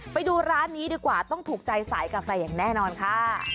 ไปดูร้านนี้ดีกว่าต้องถูกใจสายกาแฟอย่างแน่นอนค่ะ